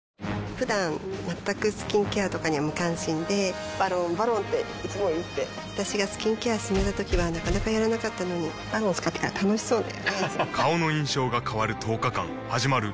ふだん全くスキンケアとかに無関心で「ＶＡＲＯＮ」「ＶＡＲＯＮ」っていつも言って私がスキンケア勧めたときはなかなかやらなかったのに「ＶＡＲＯＮ」使ってから楽しそうだよね